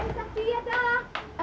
sakti ya tak